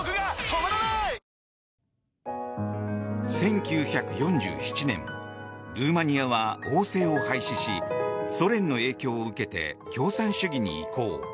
１９４７年ルーマニアは王政を廃止しソ連の影響を受けて共産主義に移行。